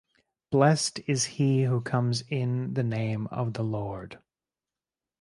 Blessed is he who comes in the name of the Lord.